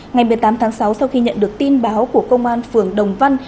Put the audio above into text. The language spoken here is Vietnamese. ngày một mươi tám tháng sáu sau khi nhận được tin báo của công an phường đồng văn